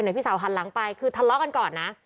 พี่สาวหันหลังไปคือทะเลาะกันก่อนนะ